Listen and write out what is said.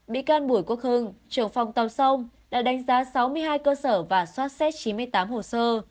bị can bùi quốc hưng trưởng phòng tàu sông đã đánh giá sáu mươi hai cơ sở và xoát xét chín mươi tám hồ sơ